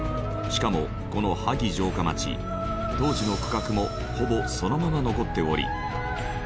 しかもこの萩城下町当時の区画もほぼそのまま残っており。